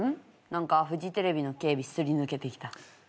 何かフジテレビの警備すり抜けてきた。